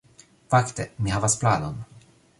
Fakte, mi havas planon